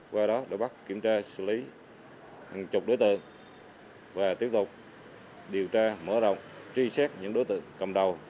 qua đó đã bắt kiểm tra xử lý hàng chục đối tượng và tiếp tục điều tra mở rộng truy xét những đối tượng cầm đầu